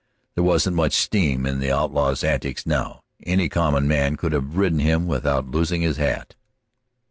There wasn't much steam in the outlaw's antics now; any common man could have ridden him without losing his hat.